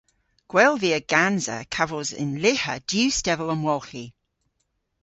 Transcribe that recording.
Gwell via gansa kavos yn lyha diw stevel omwolghi.